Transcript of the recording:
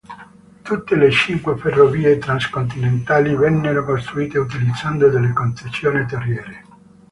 Tutte le cinque ferrovie transcontinentali vennero costruite utilizzando delle concessioni terriere.